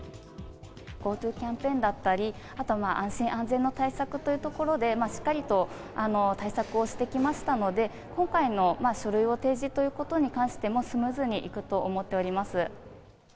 ＧｏＴｏキャンペーンだったり、あと、安心安全の対策というところで、しっかりと対策をしてきましたので、今回の書類を提示ということに関しても、スムーズにいくと思っております。